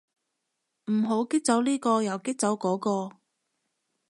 唔好激走呢個又激走嗰個